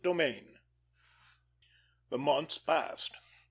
VI The months passed.